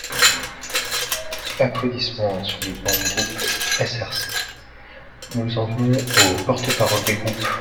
(Applaudissements sur les bancs du groupe SRC.) Nous en venons aux porte-parole des groupes.